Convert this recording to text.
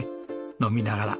飲みながら。